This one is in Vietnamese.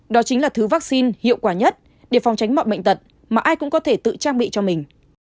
đó chính là thứ vaccine hiệu quả nhất để phòng tránh mọi bệnh tật mà ai cũng có thể tự trang bị cho mình